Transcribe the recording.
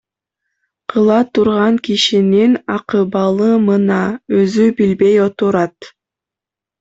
Кыла турган кишинин акыбалы мына, өзү билбей отурат.